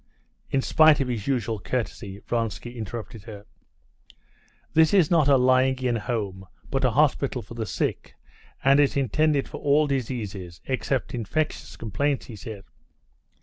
In spite of his usual courtesy, Vronsky interrupted her. "This is not a lying in home, but a hospital for the sick, and is intended for all diseases, except infectious complaints," he said.